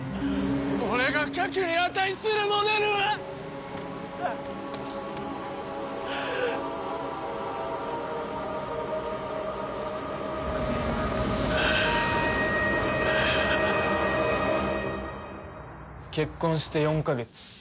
俺が描くに値するモデルは！結婚して４カ月。